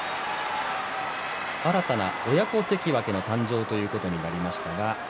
新たな親子関脇の誕生ということになりましたか。